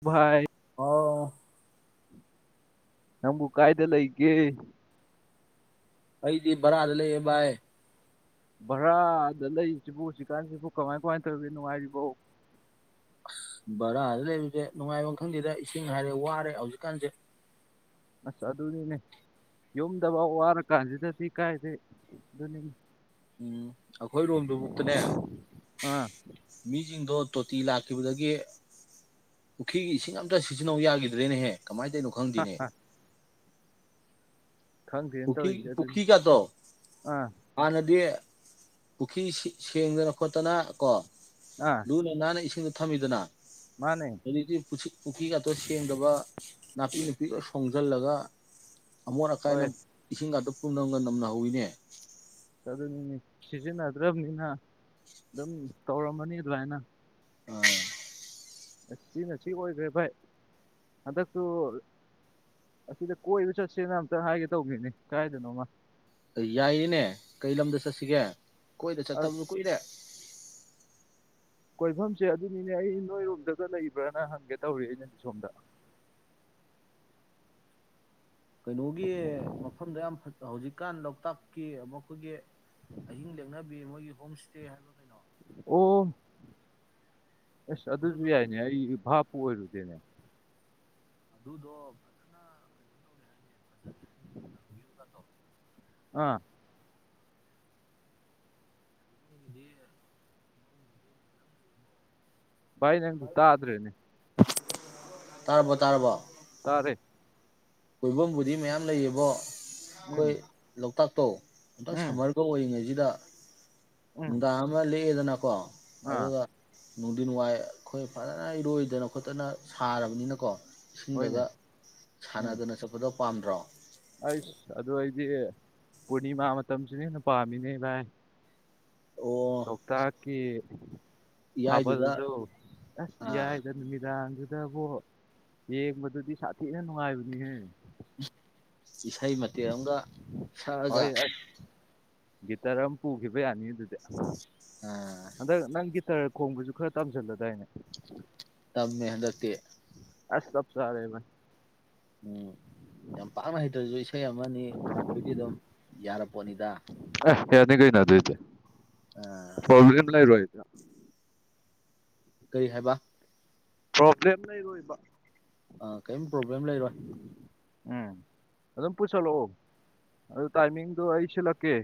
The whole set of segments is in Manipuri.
ꯗꯨꯚꯥꯏ ꯑꯣ ꯅꯪꯕꯨ ꯀꯥꯏꯗ ꯂꯩ ꯀꯦ ꯑꯩꯗꯤ ꯔꯗ ꯂꯩꯕꯥꯏ ꯚꯔꯥꯗ ꯂꯩꯔꯤꯁꯤꯕꯨ ꯍꯧꯖꯤꯛꯀꯥꯟꯁꯤꯕꯨ ꯀꯃꯥꯏ ꯀꯃꯥꯏꯅ ꯇꯧꯔꯤꯒ ꯅꯨꯡꯉꯥꯏꯔꯤꯔꯤꯕꯣ ꯕꯔꯥꯗ ꯂꯩꯕꯁꯦ ꯅꯨꯡꯉꯥꯏꯕ ꯈꯪꯗꯦꯗ ꯏꯁꯤꯡ ꯍꯥꯏꯔꯦ ꯋꯥꯔꯦ ꯍꯧꯖꯤꯛꯀꯥꯟꯁꯦ ꯑꯁ ꯑꯗꯨꯅꯤꯅꯦ ꯌꯨꯝꯗꯐꯥꯎ ꯋꯥꯔꯀꯥꯟꯁꯤꯗꯗꯤ ꯀꯥꯏꯗꯦ ꯑꯗꯨꯅꯤꯅꯦ ꯎꯝ ꯑꯩꯈꯣꯏ ꯔꯣꯝꯗꯨꯃꯨꯛꯇꯅꯦ ꯑꯥ ꯃꯤꯁꯤꯡꯗꯣ ꯇꯣꯇꯤ ꯂꯥꯛꯈꯤꯕꯗꯒꯤ ꯄꯨꯈ꯭ꯔꯤꯒꯤ ꯏꯁꯤꯡ ꯑꯝꯇ ꯁꯤꯖꯤꯟꯅꯧ ꯌꯥꯈꯤꯗ꯭ꯔꯦꯅꯦꯍꯦ ꯀꯃꯥꯏꯅ ꯇꯔꯤꯩꯅꯣ ꯈꯪꯗꯦꯅꯦ ꯄꯨ ꯈꯪꯗꯦꯅ ꯇꯧꯔꯤꯁꯦ ꯑꯗꯨꯅꯤ ꯄꯨꯈꯤ ꯀꯇꯣ ꯑꯥ ꯑꯅꯗꯤ ꯄꯨꯈ꯭ꯔꯤ ꯁꯦꯡꯗꯅ ꯈꯣꯠꯇꯅ ꯀꯣ ꯑꯥ ꯂꯨ ꯂꯩꯅꯦ ꯏꯁꯤꯡ ꯃ ꯊꯝꯃꯤꯗꯨꯅ ꯃꯥꯅꯦ ꯍꯧꯗꯤ ꯄꯨꯈ꯭ꯔꯤ ꯈꯇ ꯁꯦꯡꯗꯕ ꯅꯥꯄꯤ ꯅꯅꯥꯄꯤꯄꯤꯒ ꯁꯣꯡꯖꯔ ꯂꯒ ꯑꯃꯃꯣꯅ ꯀꯥꯏꯅ ꯍꯣꯏ ꯑꯁ ꯏꯒ ꯑꯗꯨ ꯄꯨꯝꯅꯝꯒ ꯅꯝꯅꯍꯧꯋꯤꯅꯦ ꯑꯗꯨꯅꯤꯅꯦ ꯁꯤꯖꯤꯟꯅꯗ꯭ꯔꯕꯅꯤꯅ ꯑꯗꯨꯝ ꯇꯧꯔꯝꯃꯅꯤ ꯑꯗꯨꯃꯥꯏꯅ ꯎꯝ ꯁꯤꯅ ꯁꯤ ꯑꯣꯏꯈ꯭ꯔꯦ ꯚꯥꯏ ꯍꯟꯗꯛꯇꯨ ꯑꯁꯤꯗ ꯀꯣꯏꯕ ꯆꯠꯁꯦꯅ ꯑꯝꯇ ꯍꯥꯏꯒꯦ ꯇꯧꯕꯒꯤꯅꯤ ꯀꯥꯏꯗꯅꯣꯃ ꯌꯥꯏꯌꯦꯅꯦ ꯀꯩ ꯂꯝꯗ ꯆꯠꯁꯤꯒꯦ ꯀꯣꯏꯗꯦ ꯆꯠꯠꯇ ꯑꯁ ꯀꯏꯗꯦ [inaudible] ꯀꯣꯏꯐꯝꯁꯦ ꯑꯗꯨꯅꯤꯅꯦ ꯑꯩ ꯅꯣꯏꯔꯣꯝꯗꯒ ꯂꯩꯕ꯭ꯔꯅ ꯍꯪꯒꯦ ꯇꯧꯔꯤ ꯑꯩꯅ ꯁꯣꯝꯗ ꯀꯩꯅꯣꯒꯤ ꯃꯐꯝꯗ ꯌꯥꯝ ꯐ ꯍꯧꯖꯤꯛꯀꯥꯟ ꯂꯣꯛꯇꯥꯛꯀꯤ ꯃꯈꯣꯏꯒꯤ ꯑꯍꯤꯡ ꯂꯦꯡꯅ ꯃꯣꯏꯒꯤ ꯍꯣꯝ ꯏꯁꯇꯦ ꯍꯥꯏꯕ ꯀꯩꯅꯣ ꯑꯣ ꯑꯁ ꯑꯗꯨꯁꯨ ꯑꯗꯨꯗꯣ ꯌꯥꯏꯅꯦ ꯑꯩ ꯚꯥꯞꯄꯨ ꯑꯣꯏꯔꯨꯗꯦꯅꯦ ꯑꯗꯨꯗꯣ ꯑꯗꯨꯅ ꯐꯖ ꯇꯣ ꯑꯥ ꯑꯩꯕꯒꯤꯗꯤꯗꯤ ꯌꯥꯝ ꯂꯩꯣ ꯏ ꯅꯪ ꯠꯇꯥ꯭ꯔꯦꯅꯦ ꯇꯔꯔꯕꯣ ꯇꯥꯔꯔꯕꯣ ꯇꯥꯔꯦ ꯀꯣꯏꯐꯝꯕꯨꯗꯤ ꯃꯌꯥꯝ ꯂꯩꯌꯦꯕꯣ ꯎꯝ ꯑꯩꯈꯣꯏ ꯂꯣꯛꯇꯥꯛ ꯇꯣ ꯑꯝꯇꯪ ꯎꯝ ꯁꯝꯃꯔꯒ ꯑꯣꯏꯔꯤꯉꯩꯁꯤ ꯗ ꯎꯝ ꯒꯃ ꯂꯩ ꯀꯗꯅꯀꯣ ꯑꯥ ꯑꯗꯨꯒ ꯅꯨꯡꯊꯤꯟ ꯋꯥꯏ ꯑꯩꯈꯣꯏ ꯐꯖꯅ ꯏꯔꯣꯏꯗꯅ ꯈꯣꯠꯇꯅ ꯁꯥꯔꯕꯅꯤꯅꯀꯣ ꯏꯁꯤꯡ ꯍꯣꯏꯅꯦ ꯗꯗ ꯍꯥꯟ ꯎꯝ ꯗꯅ ꯁꯄꯗꯣ ꯄꯥꯝꯗ꯭ꯔꯣ ꯑꯩꯁ ꯑꯗꯨ ꯑꯩꯗꯤ ꯄꯨꯔꯅꯤꯃꯥ ꯃꯇꯝꯁꯤꯅ ꯍꯦꯟꯅ ꯄꯥꯝꯃꯤꯅꯦ ꯚꯥꯏ ꯑꯣ ꯊꯣꯛꯣꯛꯣꯛꯇꯀꯤ ꯏꯌꯥꯏꯗꯨꯗ ꯊꯥꯕꯜꯗꯣ ꯑꯁ ꯑꯥ ꯌꯥꯏꯗ ꯅꯨꯃꯤꯗꯥꯡꯁꯨ ꯕꯨꯣ ꯌꯦꯡꯕꯗꯨꯗꯤ ꯁꯥꯊꯤꯅ ꯅꯨꯡꯉꯥꯏꯕꯅꯤꯍꯦ ꯏꯁꯩ ꯃꯇꯦꯛ ꯑꯃꯒ ꯁꯛꯑꯒ ꯍꯣꯏ ꯌꯥꯁ ꯒꯤꯇꯔ ꯑꯃ ꯄꯨꯈꯤꯕ ꯌꯥꯅꯤ ꯑꯗꯨꯗꯤ ꯑꯥ ꯑꯗ ꯅꯪ ꯀ ꯇꯔ ꯈꯣꯡꯕꯁꯨ ꯈꯔ ꯇꯥꯝꯁꯤꯜꯂꯗꯥꯏꯅꯦ ꯇꯞ ꯃꯦꯍꯟꯗꯛꯇ ꯑꯁꯂꯞ ꯁꯔꯦꯕ ꯎꯝ ꯌꯥꯝ ꯄꯥꯛꯅ ꯍꯩꯇ꯭ꯔꯁꯨ ꯏꯁꯩ ꯑꯃꯅꯤ ꯈꯣꯡꯕꯣꯏꯗꯤ ꯑꯗꯨꯝ ꯌꯥꯔꯄꯣꯠꯅꯤꯗ ꯍꯅꯤ ꯀꯩꯅꯅꯥꯗꯗꯦ ꯑꯥ ꯐ ꯂꯩꯥꯏ ꯔꯣꯏ [inaudible] ꯀꯔꯤ ꯍꯥꯏꯕ ꯄ꯭ꯔꯣꯕ꯭ꯂꯦꯝ ꯂꯩꯔꯣꯏꯕ ꯑ ꯀꯌꯨꯝ ꯄ꯭ꯔꯣꯕ꯭ꯂꯦꯝ ꯂꯩꯔꯣꯏ ꯎꯝ ꯑꯗꯨꯝ ꯄꯨꯁꯜꯂꯛꯑꯣ ꯑꯗꯨ ꯇꯥꯏꯃꯤꯡꯗꯣ ꯑꯩ ꯁꯤꯜꯂꯛꯀꯦ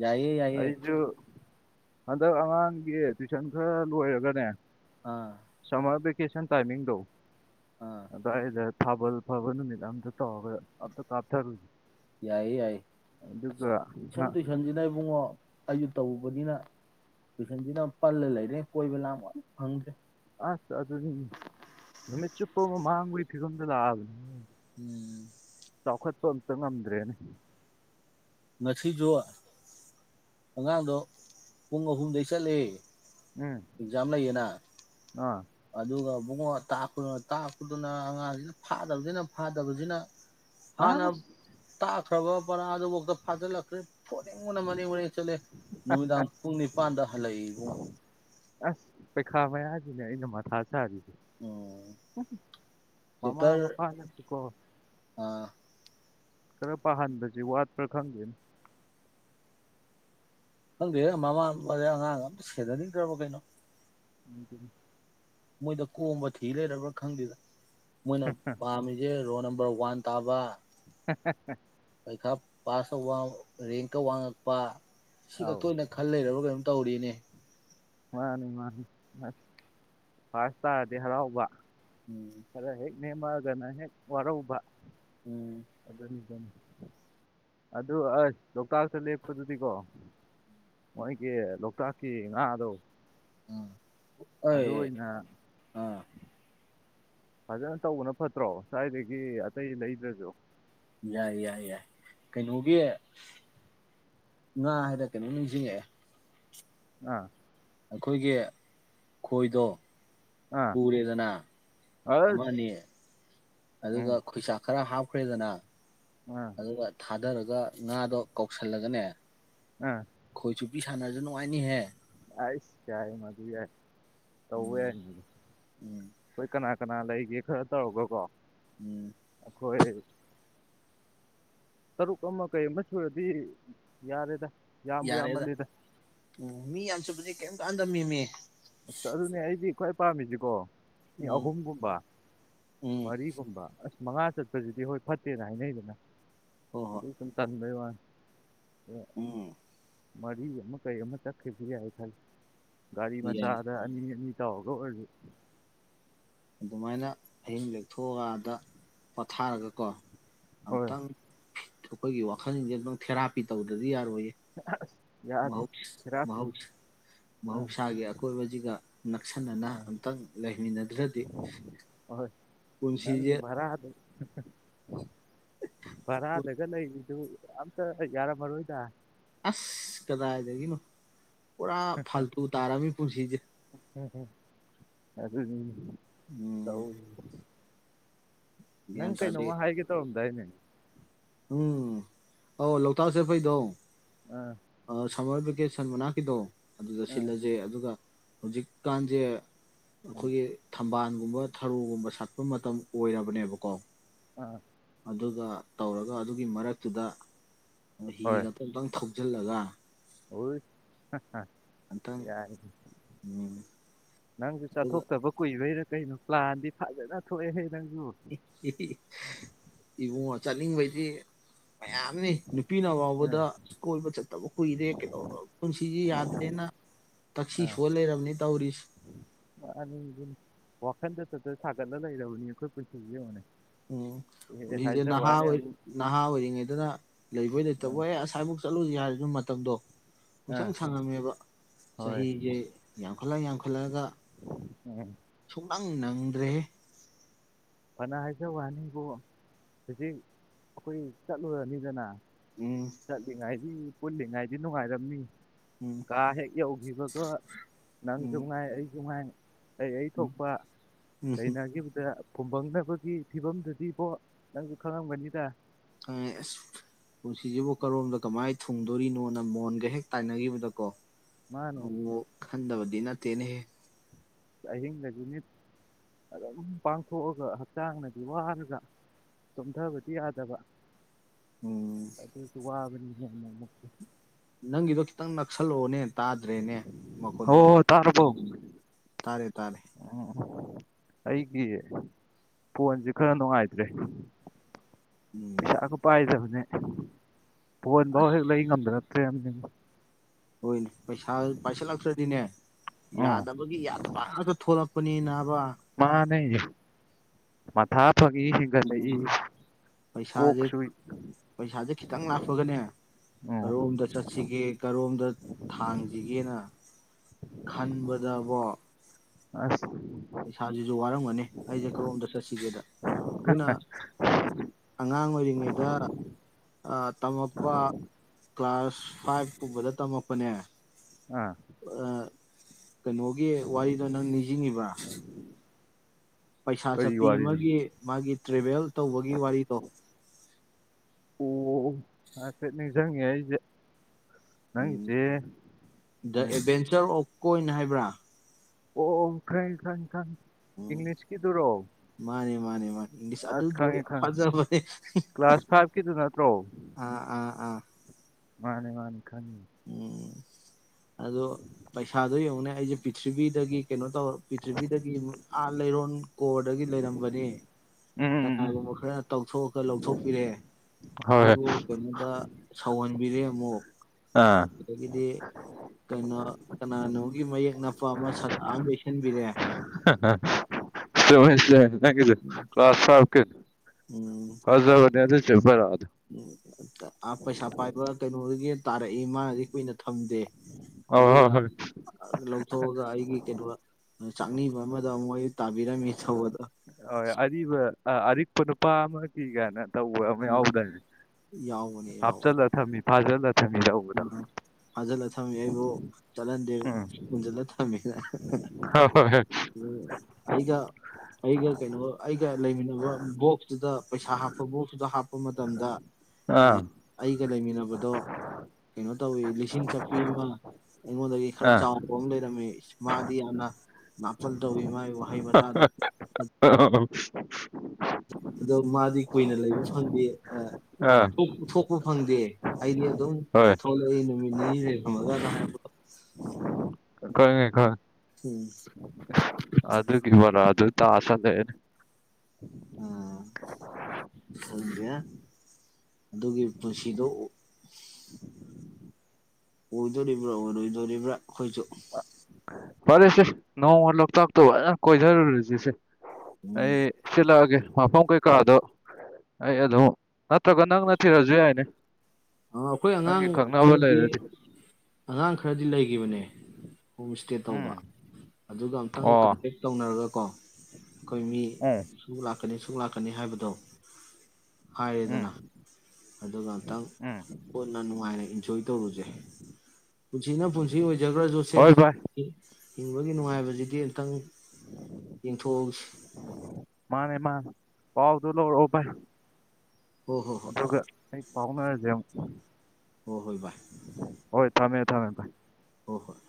ꯌꯥꯏꯌꯦ ꯌꯥꯏꯌꯦ ꯑꯩꯁꯨ ꯍꯟꯗꯛ ꯑꯉꯥꯡꯒꯤ ꯇꯨꯏꯁꯟ ꯈꯔ ꯂꯣꯏꯔꯒꯅꯦ ꯑꯥ ꯁꯝꯃꯔ ꯚꯦꯀꯦꯁꯟ ꯇꯥꯏꯃꯤꯡ ꯗꯣ ꯑꯥ ꯑꯗꯥꯢꯗ ꯊꯥꯕꯜ ꯐꯥꯕ ꯅꯨꯃꯤꯠ ꯑꯃꯗ ꯇꯧꯔꯒ ꯑꯝꯇ ꯀꯥꯞꯊꯔꯨꯖꯤ ꯌꯥꯏꯌꯦ ꯌꯥꯏꯌꯦ ꯑꯁ ꯇꯨꯢꯁꯟ ꯇꯨꯏꯁꯟꯁꯤꯅ ꯏꯕꯨꯡꯉꯣ ꯑꯩꯁꯨ ꯇꯧꯕꯅꯤꯅ ꯇꯨꯏꯁꯟꯁꯤꯅ ꯄꯜꯂ ꯂꯩꯔꯦ ꯀꯣꯏꯕ ꯂꯥꯡ ꯐꯪꯗ꯭ꯔꯦ ꯑꯁ ꯑꯗꯨ ꯎꯝ ꯅꯃꯤ ꯆꯨꯞꯞꯄ ꯃꯥꯥꯡꯕꯒꯤ ꯐꯤꯚꯝꯗ ꯂꯥꯛꯑꯕꯅꯤꯅꯦ ꯎꯝ ꯆꯥꯎꯈꯠꯄ ꯑꯝꯇ ꯉꯝꯗ꯭ꯔꯦꯅꯦ ꯉꯁꯤꯁꯨ ꯑꯉꯥꯡꯗꯣ ꯄꯨꯡ ꯑꯍꯨꯝꯗꯩ ꯆꯠꯂꯦ ꯎꯝ ꯑꯦꯛꯖꯥꯝ ꯂꯩꯌꯦꯅ ꯑꯥ ꯑꯗꯨꯒ ꯕꯨꯡꯉꯣ ꯇꯥꯛꯄꯗꯨꯅ ꯇꯥꯛꯄꯗꯨꯅ ꯑꯉꯥꯡꯁꯤꯅ ꯐꯥꯗꯅꯤꯅ ꯐꯥꯗꯕꯁꯤꯅ ꯑ [unintelligible] ꯄꯥꯔꯥꯗꯨꯕꯥꯎ ꯐꯥꯖꯤꯂꯛꯇ꯭ꯔꯦ ꯐꯨꯅꯤꯡꯕꯅ ꯃꯔꯦꯡ ꯃꯔꯦꯡ ꯆꯠꯂꯦ ꯅꯨꯃꯤꯗꯥꯡ ꯄꯨꯡ ꯅꯤꯄꯥꯟꯗ ꯍꯜꯂꯛꯏ ꯏꯕꯨꯡꯣ ꯑꯁ ꯄꯩꯈꯥ ꯃꯌꯥꯁꯤꯅꯦ ꯑꯩꯅ ꯃꯊꯥ ꯁꯥꯥꯔꯤ ꯎꯝ ꯃꯃꯥ ꯆꯦꯞꯇꯔ ꯃꯄꯥꯅꯕꯀꯣ ꯑ ꯈꯔ ꯄꯍꯥꯟꯕꯖꯤ ꯋꯥꯠ ꯄꯔ ꯈꯪꯗꯦꯅꯦ ꯈꯪꯗꯦ ꯃꯃꯥ ꯑꯉꯥꯡꯒ ꯑꯇ ꯁꯦꯗꯅꯤꯡꯗ꯭ꯔꯕꯣ ꯀꯩꯅꯣ ꯎꯝ ꯃꯣꯏꯗ ꯀꯣꯝꯕ ꯊꯤ ꯂꯩꯔꯕ꯭ꯔꯥ ꯈꯪꯗꯦꯗ ꯃꯣꯏꯅ ꯄꯝꯃꯤꯖꯦ ꯔꯣꯜ ꯅꯝꯕꯔ ꯅꯝꯕꯔ ꯋꯥꯟ ꯇꯥꯕ ꯍ ꯍ ꯍ ꯄꯩꯈꯥ ꯄꯥꯁ ꯇꯧꯕ ꯔꯦꯡꯀ ꯋꯥꯡꯉꯛꯄ ꯁꯤ ꯑꯧ ꯈꯛꯇꯣꯏꯅ ꯈꯜ ꯂꯩꯔꯕ ꯀꯩꯅꯣ ꯇꯧꯔꯤꯅꯦ ꯃꯥꯅꯤ ꯃꯥꯅꯤ ꯐꯥꯁ ꯇꯥꯔꯗꯤ ꯍꯔꯥꯎꯕ ꯎꯝ ꯅꯦꯝꯃꯒꯅ ꯍꯦꯛ ꯋꯥꯔꯧꯕ ꯎꯝ [unintelligible] ꯑꯗꯨ ꯑꯁ ꯂꯣꯛꯇꯥꯛꯇ ꯂꯦꯛꯞꯄꯗꯨꯗꯤꯀꯣ ꯃꯣꯏꯒꯤ ꯂꯣꯛꯇꯥꯛꯀꯤ ꯉꯥꯗꯣ ꯑꯗ ꯑꯩ ꯏ ꯑꯥ ꯐꯖꯅ ꯇꯧꯕꯅ ꯐꯠꯇ꯭ꯔꯣ ꯁ꯭ꯥꯏꯏꯗꯒꯤ ꯑꯇꯩ ꯂꯩꯗ꯭ꯔꯁꯨ ꯌꯥꯏ ꯌꯥꯏ ꯌꯥꯏ ꯀꯩꯅꯣꯒꯤ ꯉꯥ ꯍꯥꯏꯅ ꯀꯩꯅꯣꯝ ꯅꯤꯡꯁꯤꯡꯉꯛꯑꯦ ꯑꯥ ꯑꯩꯈꯣꯏꯒꯤ ꯈꯣꯏꯗꯣ ꯑꯥ ꯄꯨꯔꯦꯗꯅ ꯑꯁ ꯑꯃꯅꯤ ꯑꯗꯨꯒ ꯎꯝ ꯈꯣꯏꯆꯥꯛ ꯈꯔ ꯍꯥꯞ ꯈꯣꯏꯦꯗꯅ ꯑꯥ ꯑꯗꯨ ꯊꯥꯗ ꯑꯗꯨꯒ ꯉꯥꯗꯣ ꯀꯧꯁꯜꯂꯒꯅꯦ ꯑꯝ ꯅꯨꯄꯤ ꯁꯥꯟꯅꯁꯨ ꯅꯨꯡꯉꯥꯏꯅꯤꯍꯦ ꯑꯁ ꯌꯥꯏ ꯃꯗꯨ ꯌꯥ ꯇꯧ ꯎꯝ ꯎꯝ ꯑꯩꯣꯏ ꯀꯅꯥ ꯀꯅꯥ ꯂꯩꯒꯦ ꯈꯔ ꯇꯧꯔꯒ ꯎꯝ ꯀꯣ ꯍꯣꯏꯦ ꯇꯔꯨꯛ ꯑꯃ ꯀꯔꯤ ꯑꯃ ꯁꯨꯔꯗꯤ ꯌꯥꯔꯦꯗ ꯌꯥꯝꯕꯨ ꯌꯥꯝꯃꯜꯂꯤꯗ ꯎ ꯃꯤ ꯌꯥꯝꯟꯁꯨꯄꯗꯤ ꯀꯩꯝꯇ ꯍꯟꯗꯝꯃꯤꯃꯤ ꯑꯁ ꯑꯗꯨꯅꯦ ꯑꯩꯗꯤ ꯈ꯭ꯋꯥꯏ ꯄꯥꯝꯃꯤꯁꯤꯀꯣ ꯃꯤ ꯎꯝ ꯑꯍꯨꯝꯒꯨꯝꯕ ꯎꯝ ꯃꯔꯤꯒꯨꯝꯕ ꯑꯁ ꯃꯉꯥ ꯆꯠꯄꯁꯤꯗꯤ ꯍꯣꯏ ꯐꯠꯇꯦꯅ ꯍꯥꯏꯅꯩꯗꯅ ꯍꯣꯏ ꯍꯣꯏ ꯆꯗ ꯋꯥ ꯎꯝ ꯃꯔꯤ ꯑꯃ ꯀꯩ ꯑꯃ ꯆꯦꯁꯤ ꯍꯥꯏ ꯈ ꯌꯥꯏ ꯆꯥꯗ ꯑꯅꯤ ꯑꯅꯤ ꯆꯥꯎꯒ ꯑꯣꯏ ꯑꯗꯨꯃꯥꯏꯅ ꯑꯍꯤꯡ ꯂꯦꯛꯊꯣꯛꯑꯀꯗ ꯄꯣꯊꯥꯔꯒꯀꯣ ꯍꯣꯏ ꯑꯇꯥꯡ ꯑꯩꯈꯣꯏꯒꯤ ꯋꯥꯈꯜꯁꯤꯡꯁꯦ ꯇꯪ ꯊꯦꯔꯥꯄꯤ ꯇꯧꯗ꯭ꯔꯗꯤ ꯌꯥ ꯑꯁ ꯌꯥꯗ꯭ꯔꯦ ꯁꯦꯔꯥ ꯊꯤ ꯑꯥ ꯃꯍꯧꯁꯥꯒꯤ ꯑꯀꯣꯏꯕꯁꯤꯒ ꯅꯛꯁꯤꯟꯅꯅ ꯑꯃꯨꯛꯇꯪ ꯂꯩꯃꯤꯟꯅ ꯑꯍꯣꯏ ꯅꯪꯒꯤ ꯄꯨꯟꯁꯤꯁꯦ ꯔꯗ [unintelligible] ꯕꯔꯥꯗꯒ ꯂꯩ ꯑꯝꯇ ꯌꯥꯔꯝ ꯃꯥꯔꫭꯏꯗ ꯑꯁ ꯀꯗꯥꯏꯗꯒꯤꯅꯣ ꯄꯨꯔ ꯐꯜꯇꯨ ꯇꯔꯃꯤ ꯄꯨꯟꯁꯤꯖꯦ ꯎꯝ ꯑꯗꯨꯅꯤꯅꯦ ꯎꯝ ꯇꯧꯔꯤꯖꯦ ꯅꯪ ꯒ꯭ꯌꯥꯟ ꯇꯥꯗꯦ ꯀꯩꯩꯅꫭꯝꯃ ꯍꯥꯏꯒꯦ ꯇꯧꯔꯝ ꯗꯥꯏꯅꯦ ꯎꯝ ꯑꯥꯎ ꯂꯣꯛꯇꯥꯠ ꯆꯠꯄꯩꯗꫭ ꯑꯥ ꯑ ꯁꯝꯃ꯭ꯔꯥ ꯕꯤꯀꯦꯁꯟ ꯃꯅꯥꯛꯀꯤꯗꯣ ꯑꯗꯨꯗ ꯑꯥ ꯁꯤꯜꯂꯁꯦ ꯑꯗꯨꯒ ꯍꯧꯖꯤꯛꯀꯥꯟꯖꯦ ꯑꯩꯈꯣꯏꯒꯤ ꯊꯝꯕꯥꯜ ꯒꯨꯝꯕ ꯊꯔꯣꯒꯨꯝꯕ ꯁꯠꯄ ꯃꯇꯝ ꯑꯣꯏꯔꯕꯅꯦꯕꯀꯣ ꯑꯥ ꯑꯗꯨꯒ ꯇꯧꯔꯒ ꯑꯗꯨꯒꯤ ꯃꯔꯛꯇꯨꯗ ꯍꯣꯏ ꯍꯤꯒꯗꫭ ꯑꯝꯇꯪ ꯊꯧ ꯖꯜꯂꯒ ꯑꯝꯇꯪ [unintelligible] ꯌꯥꯏ ꯎꯝ ꯅꯪꯖꯨ ꯑꯗꯨꯒ ꯆꯥꯠꯊꯣꯛꯇꯕ ꯀꯨꯏꯕꯩꯔ ꯀꯩꯅꯣ ꯄ꯭ꯂꯥꯟꯗꯤ ꯐꯖꯅ ꯊꯣꯛꯑꯦ ꯍꯩ [unintelligible] ꯏꯕꯨꯨꯉꫭ ꯆꯠꯅꯤꯡꯕꯗꯤ ꯃꯌꯥꯝꯅꯤ ꯅꯨꯄꯤꯅ ꯑꯥ ꯐꯥꯎꯕꯗ ꯀꯣꯏꯕ ꯆꯠꯇꯕ ꯀꯨꯏꯔꯦ ꯀꯩꯗꯧ ꯄꯨꯟꯁꯤꯖꯤ ꯌꯥꯗꯔꯦꯅ ꯇꯛꯁꯤ ꯁꯣꯟ ꯂꯩꯔꯕꯅꯤ ꯇꯧꯔꯤꯁꯤ ꯑꯅꯤ ꯋꯥꯈꯟꯗ ꯆꯠꯊ ꯁꯥꯒꯠꯂ ꯂꯩꯔꯕꯅꯤ ꯑꯩꯈꯣꯏ ꯄꯨꯟꯁꯤꯁꯦ ꯌꯦꯡꯉꫭꯅꯦ ꯎꯝ ꯄꯨꯟꯖꯤꯁꯦ ꯅꯍꯥ ꯑꯃꯨꯛ ꯅꯍꯥ ꯑꯣꯏꯔꯤꯉꯩꯗꯅ ꯂꯩꯕꯣꯏ ꯂꯩꯇꯕ ꯑꯥ ꯑꯦ ꯉꯁꯥꯏꯃꯨꯛ ꯆꯠꯂꯨꯁꯤ ꯍꯥꯏ ꯑꯗꯨ ꯃꯇꯝꯗꫭ ꯑꯥ ꯎꯁꯪ ꯁꯪꯉꯝꯃꯦꯕ ꯍꯣꯏ ꯆꯍꯤꯁꯦ ꯌꯥꯝꯈꯠꯂ ꯌꯥꯝꯈꯠꯂꯛꯒ ꯎꯝ ꯁꯨꯡꯅꯪ ꯅꯪꯗ꯭ꯔꯦꯌꯦ ꯐꯅ ꯍꯥꯏꯖꯋꯥꯅꯤꯕꯨ ꯍꯧꯖꯤꯛ ꯑꯩꯈꯣꯏ ꯆꯠꯂꯨꯔꯅꯤꯗꯅ ꯎꯝ ꯆꯠꯂꯤꯉꯥꯏ ꯄꯨꯜꯂꯤꯉꯥꯏꯗꯤ ꯅꯨꯡꯉꯥꯏꯔꯝꯅꯤ ꯎꯝ ꯀꯥ ꯍꯦꯛ ꯌꯧꯈꯤꯕꯗꯣ ꯎꯝ ꯅꯪꯁꯨꯉꯥꯏ ꯑꯩꯁꯨ ꯉꯥꯏ ꯑꯩ ꯑꯩ ꯊꯣꯛꯄ ꯎꯝ ꯂꯩꯅꯈꯤꯕꯗ ꯈꯨꯝꯕꯪꯅꯕꯒꯤ ꯐꯤꯕꯝꯗꯨꯗꯤꯕꯣ ꯅꯪꯁꯨ ꯈꯪꯉꯝꯒꯅꯤꯗ ꯑꯁ ꯄꯨꯟꯁꯤꯁꯤꯕꯨ ꯀꯔꯣꯝꯗ ꯀꯃꯥꯏꯅ ꯊꯨꯡꯗꯣꯔꯤꯅꯣꯅ ꯃꯣꯟꯒ ꯍꯦꯛ ꯇꯥꯏꯅꯈꯤꯕꯗꯀꯣ ꯃꯥꯅꯦ ꯏꯟꯅ ꯇꯅ ꯍ ꯑꯍꯤꯡꯗꯒꯤ ꯃꯤꯠ ꯑꯗꯨꯝ ꯄꯥꯡꯊꯣꯛꯑꯒ ꯍꯛꯆꯥꯡꯅꯗꯤ ꯋꯥꯔꯒ ꯇꯣꯝꯊꯕꯗꯤ ꯌꯥꯗꯕ ꯎꯝ ꯑꯗꯨꯁꯨ ꯋꯥ ꯎꯦ ꯅꯪꯒꯤꯗꯣ ꯈꯤꯇꯪ ꯅꯛꯁꯜꯂꯛꯑꯣꯅꯦ ꯇꯥꯗ꯭ꯔꯦꯅꯦ ꯃꯨꯛ ꯃꯈꯣꯟꯗꯣ ꯑꯣ ꯇꯥꯔꯕꯣ ꯎꯝ ꯇꯥꯔꯦ ꯇꯥꯥꯔꯦ ꯎꯝ ꯑꯩꯒꯤ ꯐꯣꯟꯁꯦ ꯈꯔ ꯅꯨꯡꯉꯥꯏꯇ꯭ꯔꯦ ꯎꯝ ꯄꯩꯁꯥꯒ ꯄꯥꯏꯗꯕꯅꯦ ꯄꯟꯕ ꯍꯦ ꯂꯩ ꯉꯝꯗꯅ ꯀ ꯍꯣꯏꯅꯦ ꯄꯩꯁꯥ ꯄꯩꯁꯥ ꯂꯥꯛꯇ꯭ꯔꯗꯤꯅꯦ ꯎꯝ ꯌꯥꯗꯕꯒꯤ ꯌꯥꯗꯕꯒ ꯊꯣꯔꯛ ꯄꯨꯅꯤ ꯅꯕ [unintelligible] ꯃꯊꯥꯞ ꯊ ꯏ ꯏ ꯎꯝ ꯄꯩꯁꯥꯁꯦ ꯄꯩꯁꯥꯁꯦ ꯈꯤꯇꯪ ꯂꯥꯛꯄꯒꯅꯦ ꯎꯝ ꯀꯔꯣꯝꯗ ꯆꯠꯁꯤꯒꯦ ꯀꯔꯣꯝꯗ ꯊꯥꯡꯁꯤꯒꯦꯅ ꯈꯟꯕꯗꯕꯣ ꯑ ꯄꯩꯁꯥꯁꯤꯁꯨ ꯋꯥꯔꯝꯒꯅꯤ ꯑꯩꯁꯦ ꯀꯔꯣꯝꯗ ꯆꯠꯁꯤꯒꯦꯗ ꯑꯩꯈꯣꯏꯅ ꯑꯉꯥꯡ ꯑꯣꯏꯔꯤꯉꯩꯗ ꯇꯝꯃꯛꯄ ꯀ꯭ꯂꯥꯁ ꯐꯥꯏꯚꯀꯨꯝꯕꯗ ꯇꯝꯃꯛꯄꯅꯦ ꯑꯥ ꯀꯩꯅꯣꯒꯤ ꯋꯥꯔꯤꯗꯣ ꯅꯪ ꯅꯤꯡꯁꯤꯡꯉꯤꯕ꯭ꯔꯥ ꯄꯩꯁꯥ ꯀꯔꯤ ꯆꯠꯞꯄꯤ ꯋꯥꯔꯤꯅꯣ ꯑꯃꯒꯤ ꯃꯥꯒꯤ ꯇ꯭ꯔꯤꯕꯦꯜ ꯇꯧ ꯋꯥꯒꯤꯤ ꯋꯥꯂꯤ ꯇ ꯑꯣ ꯍꯥꯏꯐꯦꯠ ꯅꯤꯡꯁꯤꯡꯪꯉꯦ ꯑꯩꯁꯦ ꯎꯝ ꯅꯪꯒꯤꯁꯦ ꯗ ꯎꯝ ꯑꯦꯚꯦꯟꯆꯔ ꯑꯣꯐ ꯀꯣꯏꯅ ꯍꯥꯏꯕ꯭ꯔꯥ ꯑꯣ ꯈ꯭ꯔ ꯈꯪ ꯈꯪ ꯎꯝ ꯃꯥꯅꯦ ꯃꯥꯅꯦ ꯃꯥꯅꯤ ꯑꯁ ꯑꯗꯨꯗꯣ ꯈꯪꯉꯦ ꯌꯥꯝ ꯈꯪꯉꯦ ꯐꯖꯕꯅꯦꯦ ꯀ꯭ꯂꯥꯁ ꯐꯥꯏꯚꯀꯤꯗꯨ ꯅꯠꯇ꯭ꯔꯣ ꯑꯥ ꯑꯥ ꯑꯥ ꯃꯥꯅꯦ ꯃꯥꯅꯦ ꯈꯅꯤ ꯎꯝ ꯑꯗꯣ ꯄꯩꯁꯥꯗꯣ ꯌꯦꯡꯉꯅꯦ ꯑꯩꯁꯦ ꯄꯤꯔꯤꯊꯤꯕꯤꯗꯒꯤ ꯀꯩꯅꯣ ꯇꯧꯔ ꯄꯤꯔꯤꯊꯤꯕꯤꯗꯒꯤ ꯑꯥꯠ ꯂꯩꯔꯣꯟ ꯀꯣꯔꯗꯒꯤ ꯂꯩꯔꯝꯕꯅꯤ ꯎꯝ ꯎꯝ ꯎꯝ ꯀꯅꯥꯒꯨꯝꯕ ꯈꯔ ꯇꯧꯊꯣꯛꯎ ꯈ ꯂꯧꯊꯣꯛꯄꯤꯔꯦ ꯍꯣꯏ ꯍꯣꯏ ꯑꯕꯨ ꯀꯩꯅꯣꯗ ꯁꯋꯥꯅꯤ ꯕꯤꯔꯃꯨ ꯑꯥ ꯍꯗꯤ ꯀꯩꯅꯣ ꯀꯅꯥꯅꯣꯒꯤ ꯃꯌꯦꯛ ꯅꯄ ꯑꯃ ꯁꯥꯛ ꯑꯃ ꯌꯩꯁꯟꯕꯤꯔꯦ ꯊ ꯗ ꯀ꯭ꯂꯥꯁ ꯐ ꯀ ꯐ ꯑꯗꯨ ꯆꯦꯄꯔꯗ ꯎꯝ ꯄꯩꯁꯥ ꯄꯥꯏꯕ ꯀꯩꯅꯣꯗꯒꯤ ꯇꯥꯔꯛꯏ ꯃꯥꯅꯗꯤ ꯀꯨꯏꯅ ꯊꯝꯗꯦ ꯍꯣꯏ ꯑꯗꯨꯒ ꯍꯣꯏ ꯍꯣꯏ ꯂꯧꯊꯣꯛꯑꯒ ꯑꯩꯒꯤ ꯀꯩꯅꯣ ꯑ ꯆꯥꯛꯅꯤꯡꯕ ꯑꯃꯗ ꯃꯣꯏ ꯇꯥꯕꯤꯔꯝꯃꯤ ꯊꯧꯕꯗꯣ ꯍꯣꯏ ꯑꯔꯤꯕ ꯑꯔꯤꯛꯄ ꯅꯨꯄꯥ ꯑꯃꯒꯤꯒꯅ ꯇꯧꯕ ꯑꯃ ꯌꯥꯎꯗ ꯍꯥꯞꯆꯜꯂ ꯊꯝꯃꯤ ꯍꯖ ꯎ ꯐꯥꯖꯤꯜꯂ ꯊꯝꯃꯦ ꯑꯩꯕꯨ ꯆꯠꯍꯟꯗꯦ ꯎꯝ ꯍꯨꯟꯖꯤꯜꯂ ꯊꯝꯃꯦ ꯍꯣꯏ ꯍꯣꯏ ꯍꯣꯏ ꯑꯩꯒ ꯑꯩꯒ ꯀꯩꯅꯣ ꯑꯩꯒ ꯂꯩꯃꯤꯟꯅꯕ ꯕꯣꯛꯁꯇꯨꯗ ꯄꯩꯁꯥ ꯍꯥꯞꯄ ꯕꯣꯛꯁꯇꯨꯗ ꯍꯥꯞꯄ ꯃꯇꯝꯗ ꯑꯥ ꯑꯩꯒ ꯂꯩꯃꯤꯟꯅꯕꯗꯣ ꯀꯩꯅꯣ ꯇꯧꯋꯤ ꯂꯤꯁꯤꯡ ꯆꯄꯤ ꯑꯃ ꯑꯩꯉꯣꯟꯗꯒꯤ ꯈꯔ ꯑꯥ ꯆꯥꯎꯕ ꯑꯃ ꯂꯩꯔꯝꯃꯤ ꯃꯥꯗꯤ ꯌꯥꯝꯅ ꯅꯥꯄꯜ ꯇꯧꯋꯤ ꯃꯥꯒꯤ ꯋꯥꯍꯩ ꯋꯥꯇꯥꯗꯣ ꯑ ꯑꯗꯣ ꯃꯥꯗꯤ ꯀꯨꯏꯅ ꯂꯩꯕ ꯐꯪꯗꯦ ꯑꯥ ꯊꯣꯛꯄ ꯐꯪꯗꯦ ꯑꯩꯗꯤ ꯑꯗꯨꯝ ꯍꯣꯏ ꯊꯣꯛꯂꯛꯏ ꯅꯨꯃꯤꯠ ꯅꯤꯅꯤ ꯂꯩꯔꯝꯃꯒꯅ ꯍꯥꯏꯔꯛꯄꯗ ꯀꯣꯏꯅꯦ ꯀ ꯑꯗꯨꯒ ꯏꯕꯂ ꯑꯗꯨ ꯇꯁꯗ ꯑ ꯊꯪꯒ ꯑꯗꯨꯒꯤ ꯄꯨꯟꯁꯤꯗꯣ [unintelligible] ꯑꯣꯏꯗꯣꯔꯤꯕ꯭ꯔꯥ ꯑꯣꯏꯔꯣꯏꯗꯣꯔꯤꯕ꯭ꯔꯥ ꯑꯩꯈꯣꯏꯁꯨ ꯐꯔꯦꯁꯦ ꯅꯣꯡꯃ ꯂꯧꯣꯛ ꯊꯥꯛ ꯇꯧꯖꯅ ꯀꯣꯏ ꯔꯔꯤꯁꯤꯁꯦ ꯎꯝ ꯑꯩ ꯆꯂꯑꯦ ꯃꯐꯝ ꯀꯩꯀꯥꯗꯣ ꯑꯩ ꯑꯗꯨꯝ ꯅꯠꯇ꯭ꯔ ꯀ ꯅꯪ ꯅꯔꯁꯨꯨ ꯌꯥꯅꯦ ꯑ ꯑꯩꯈꯣꯏ ꯑꯉꯥꯡ ꯈꯔꯗꯤ ꯂꯩꯔꯗꯤ ꯑꯉꯥꯡ ꯈꯔꯗꯤ ꯂꯩꯈꯤꯕꯅꯦꯣ ꯇꯧꯕ ꯎꯝ ꯑꯗꯨꯒ ꯑꯃ ꯑꯣ ꯀꯇꯦꯛ ꯇꯔ ꯑꯗꯨꯒꯀꯣꯡ ꯑꯩꯈꯣꯏ ꯃꯤ ꯎꯝ ꯁ ꯂꯥꯛ ꯂꯥꯛꯀꯅꯤ ꯁꯨꯛ ꯂꯥꯛꯀꯅꯤ ꯍꯥꯏꯕꯗꯣ ꯍꯥꯏꯔꯦꯗꯅ ꯎꯝ ꯑꯗꯨꯒ ꯑꯨꯇꯪ ꯎꯝ ꯍꯣꯅ ꯅꯨꯡꯉꯥꯏꯔꯦ ꯏꯟꯖꯣꯏ ꯇꯧꯔꯨꯁꯦ ꯄꯨꯅ ꯄꯨꯁꯤ ꯑꯣꯏ ꯖꯒꯔꯁꯨꯣꯁꯦ ꯍꯣꯏ ꯚꯥꯏ ꯍꯤꯡꯕꯒꯤ ꯅꯨꯡꯉꯥꯏꯕꯁꯤꯗꯤ ꯑꯝꯇꯪ ꯌꯦꯡꯊꯣꯛꯎꯁꯤ ꯃꯥꯅꯦ ꯃꯥ ꯄꯥꯎꯗꯨꯂꯕ ꯍ ꯍꯣꯏ ꯍꯣꯏ ꯄꯥꯎꯅꯖꯦꯝ ꯍꯣꯏ ꯍꯣꯏ ꯚ ꯍꯣꯏ ꯊꯃꯦ ꯊꯃꯦꯥꯏ ꯍꯣꯏ ꯍꯣꯏ